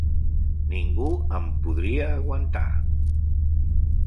Ningú em podria aguantar.